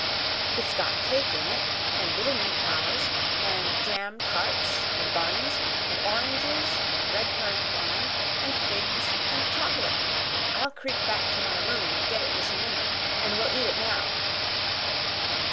"It's got cake in it, and little meat pies, and jam tarts and buns, and oranges and red currant wine, and figs and chocolate. I'll creep back to my room and get it this minute, and we'll eat it now."